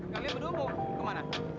kalian berdua mau ke mana